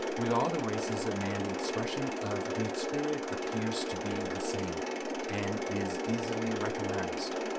With all the races of man the expression of good spirit appears to be the same, and is easily recognized.